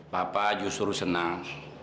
papa justru senang